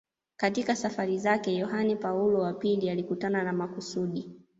Katika safari zake Yohane Paulo wa pili alikutana kwa makusudi